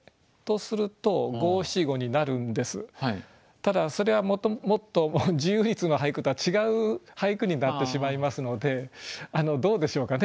ただそれは自由律の俳句とは違う俳句になってしまいますのでどうでしょうかね